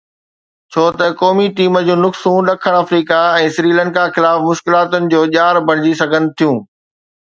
ڇو ته قومي ٽيم جون نقصون ڏکڻ آفريڪا ۽ سريلنڪا خلاف مشڪلاتن جو ڄار بڻجي سگهن ٿيون